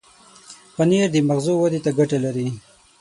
پنېر د مغزو ودې ته ګټه لري.